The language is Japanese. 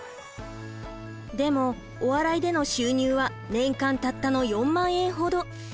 でもお笑いでの収入は年間たったの４万円ほど。